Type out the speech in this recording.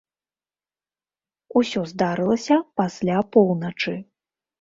Усё здарылася пасля поўначы.